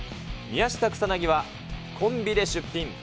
宮下草薙はコンビで出品。